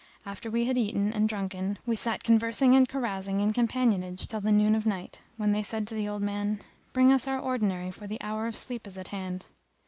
After we had eaten and drunken we sat conversing and carousing in companionage till the noon of night, when they said to the old man, "Bring us our ordinary, for the hour of sleep is at hand!"